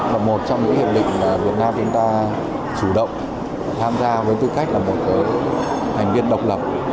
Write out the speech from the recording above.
là một trong những hiệp định mà việt nam chúng ta chủ động tham gia với tư cách là một thành viên độc lập